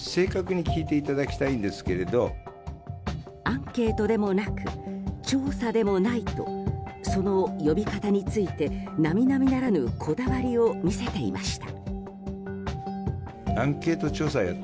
アンケートでもなく調査でもないとその呼び方について並々ならぬこだわりを見せていました。